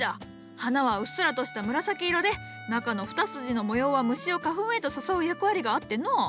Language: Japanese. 花はうっすらとした紫色で中の２筋の模様は虫を花粉へと誘う役割があってのう。